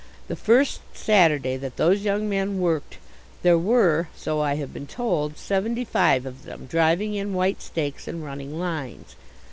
The first Saturday that those young men worked there were, so I have been told, seventy five of them driving in white stakes and running lines.